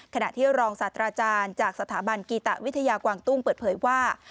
ขณะที่รองศาสตราจารย์จากสถาบันกีตะวิทยากวางตุ้งเปิดเผยว่า